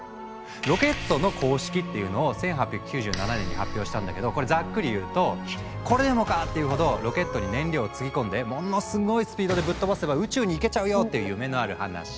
「ロケットの公式」っていうのを１８９７年に発表したんだけどこれざっくり言うと「これでもかっていうほどロケットに燃料を積み込んでものすごいスピードでぶっ飛ばせば宇宙に行けちゃうよ」っていう夢のある話。